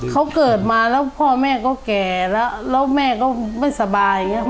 เขาเกิดมาแล้วพ่อแม่ก็แก่แล้วแล้วแม่ก็ไม่สบายอย่างนี้